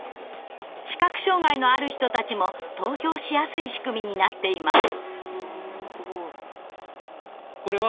視覚障害のある人たちも投票しやすい仕組みになっています。